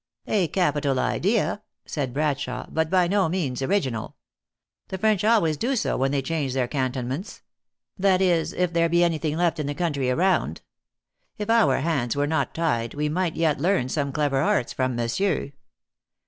" A capital idea," said Bradshawe, " but by no means original. The French always do so when they change their cantonments ; that is, if there be any thing left in the country around. If our hands were not tied, we might yet learn some clever arts from Monsieur.